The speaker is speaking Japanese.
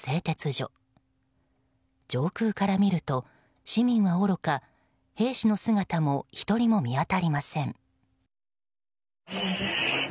上空から見ると市民はおろか兵士の姿も１人も見当たりません。